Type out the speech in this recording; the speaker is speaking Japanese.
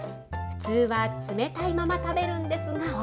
普通は冷たいまま食べるんですが。